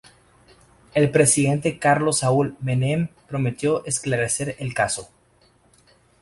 El presidente Carlos Saúl Menem prometió esclarecer el caso.